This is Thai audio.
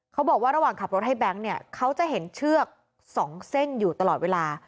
เขาบอกว่าระหว่างขับรถให้แบงค์เนี่ยเขาจะเห็นเชือก๒เส้นอยู่ตลอดเวลา